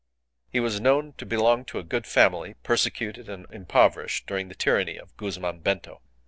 He was known to belong to a good family persecuted and impoverished during the tyranny of Guzman Bento.